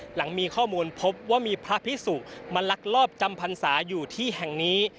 หลังมีข้อมูลพบว่ามีพระพิสุมาลักลอบจำพรรษาอยู่ที่แห่งนี้